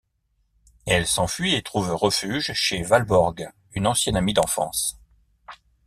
Elle s’enfuit et trouve refuge chez Valborg, une ancienne amie d’enfance.